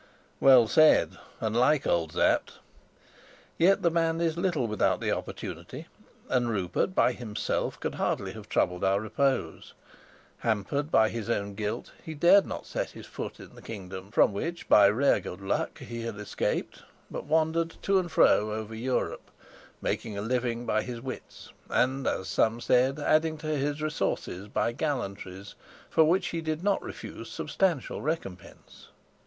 Well said, and like old Sapt! Yet the man is little without the opportunity, and Rupert by himself could hardly have troubled our repose. Hampered by his own guilt, he dared not set his foot in the kingdom from which by rare good luck he had escaped, but wandered to and fro over Europe, making a living by his wits, and, as some said, adding to his resources by gallantries for which he did not refuse substantial recompense.